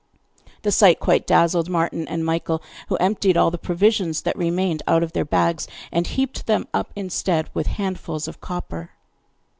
The sight quite dazzled Martin and Michael, who emptied all the provisions that remained out of their bags, and heaped them up instead with handfuls of copper.